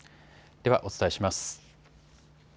ではお伝えします。